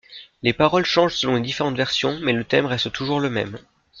Les paroles changent selon les différentes versions, mais le thème reste toujours le même.